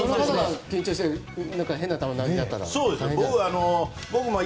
緊張して変な球を投げちゃったら大変。